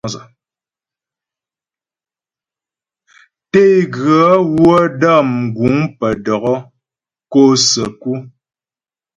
Teguə wə́ dəm guŋ pə́ dɔkɔ́ kɔ səku.